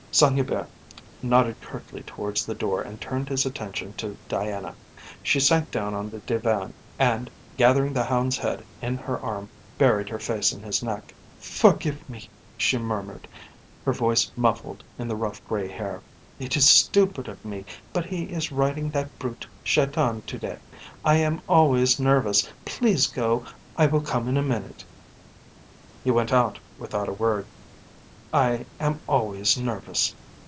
Saint Hubert nodded curtly towards the door and turned his attention to Diana. She sank down on the divan and, gathering the hound's head in her arm, buried her face in his neck. "Forgive me," she murmured, her voice muffled in the rough, grey hair. "It is stupid of me, but he is riding that brute Shaitan to day. I am always nervous. Please go. I will come in a minute." He went without a word. "I am always nervous."